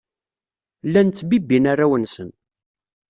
Llan ttbibbin arraw-nsen.